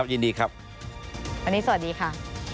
วันนี้สวัสดีค่ะ